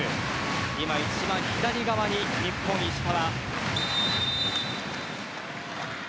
今、一番左側に日本、石川。